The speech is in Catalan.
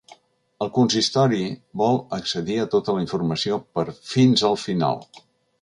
El consistori vol accedir a tota la informació per ‘fins al final’.